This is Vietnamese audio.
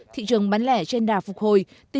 thị trường bán lẻ trên đà phục hồi